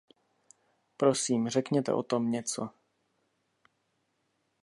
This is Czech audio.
Prosím, řekněte o tom něco!